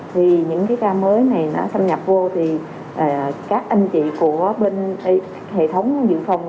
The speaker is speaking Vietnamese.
thì những cái ca mới này nó xâm nhập vô thì các anh chị của bên hệ thống dự phòng